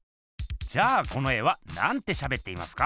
じゃあこの絵はなんてしゃべっていますか？